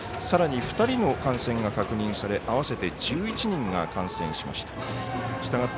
さらに２人の感染が確認され合わせて１１人が感染しました。